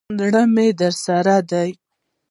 زړه مي درسره دی.